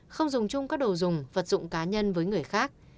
không dùng chung các đồ dùng vật dụng cá nhân với người khác